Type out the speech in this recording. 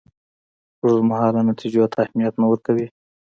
اوږدمهالو نتیجو ته اهمیت نه ورکوي.